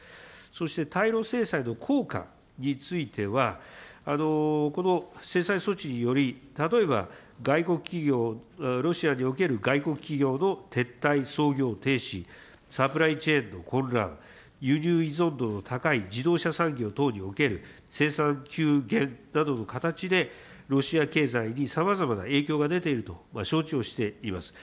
そして対ロ制裁の効果については、この制裁措置により、例えば外国企業、ロシアにおける外国企業の撤退、操業停止、サプライチェーンの混乱、輸入依存度の高い自動車産業等における生産急減などの形で、ロシア経済にさまざまな影響が出ていると承知をしています。